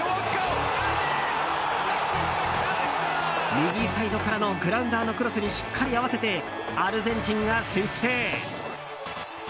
右サイドからのグラウンダーのクロスにしっかり合わせてアルゼンチンが先制！